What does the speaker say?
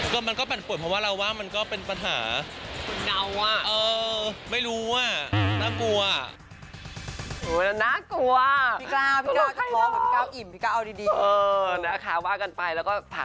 ก็มันก็ปั่นปวดเพราะว่าเราว่ามันก็เป็นปัญหา